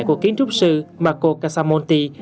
của kiến trúc sư marco casamonti